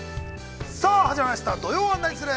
さあ始まりました「土曜はナニする！？」。